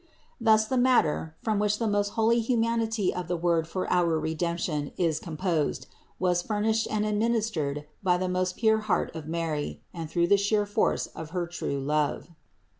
Thus the matter, from which the most holy humanity of the Word for our Re demption is composed, was furnished and administered by the most pure heart of Mary and through the sheer force of her true love.